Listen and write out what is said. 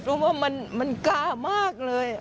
รู้ว่ามันกล้ามากเลย